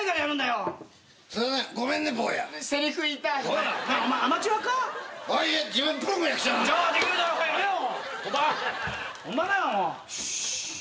よし。